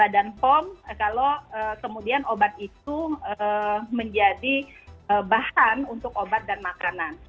dan pom kalau kemudian obat itu menjadi bahan untuk obat dan makanan